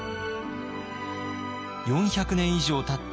４００年以上たった